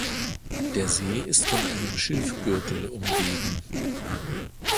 Der See ist von einem Schilfgürtel umgeben.